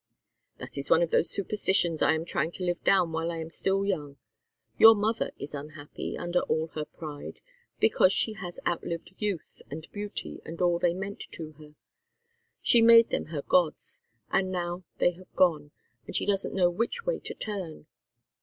"That is one of those superstitions I am trying to live down while I am still young. Your mother is unhappy, under all her pride, because she has outlived youth and beauty and all they meant to her she made them her gods, and now they have gone, and she doesn't know which way to turn.